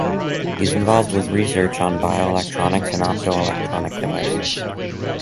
He is involved with research on Bioelectronics and Optoelectronic devices.